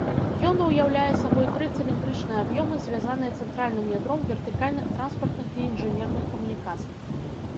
Ён уяўляе сабой тры цыліндрычныя аб'ёмы, звязаныя цэнтральным ядром вертыкальных транспартных і інжынерных камунікацый.